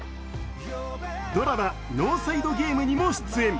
ドラマ「ノーサイド・ゲーム」にも出演。